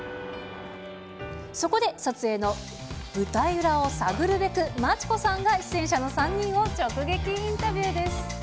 そこで、撮影の舞台裏を探るべく、真知子さんが出演者の３人を直撃インタビューです。